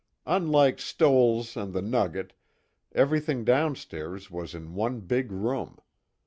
Unlike Stoell's and "The Nugget," everything downstairs was in one big room.